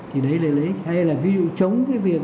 hay là ví dụ chống việc